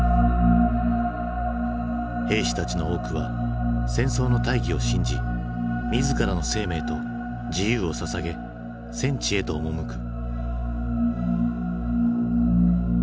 兵士たちの多くは戦争の大義を信じ自らの生命と自由をささげ戦地へと赴く。